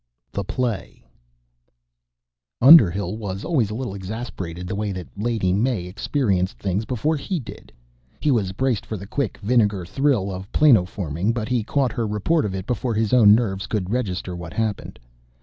THE PLAY Underhill was always a little exasperated the way that Lady May experienced things before he did. He was braced for the quick vinegar thrill of planoforming, but he caught her report of it before his own nerves could register what happened.